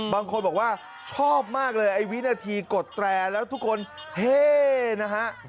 บางคนบอกว่าชอบมากเลยไอ้วินาทีกดแตรแล้วทุกคนเฮ่นะฮะ